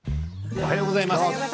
おはようございます。